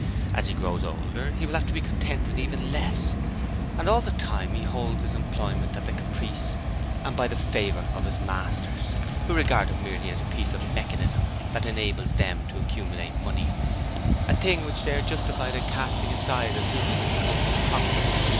As he grows older he will have to be content with even less; and all the time he holds his employment at the caprice and by the favour of his masters, who regard him merely as a piece of mechanism that enables them to accumulate money a thing which they are justified in casting aside as soon as it becomes unprofitable.